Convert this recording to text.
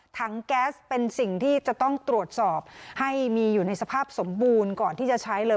แก๊สเป็นสิ่งที่จะต้องตรวจสอบให้มีอยู่ในสภาพสมบูรณ์ก่อนที่จะใช้เลย